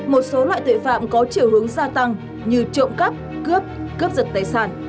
một số loại tội phạm có chiều hướng gia tăng như trộm cắp cướp cướp giật tài sản